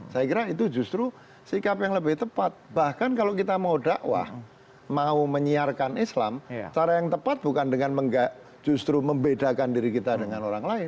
saya kira itu justru sikap yang lebih tepat bahkan kalau kita mau dakwah mau menyiarkan islam cara yang tepat bukan dengan justru membedakan diri kita dengan orang lain